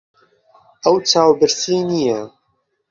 ئەو چاوبرسی نییە.